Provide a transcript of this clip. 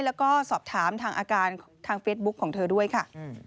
แล้วก็สอบถามทางอาการทางเฟซบุ๊คของเธอด้วยค่ะ